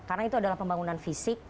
karena itu adalah pembangunan fisik